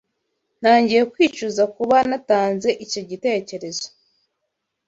Ntangiye kwicuza kuba natanze icyo gitekerezo.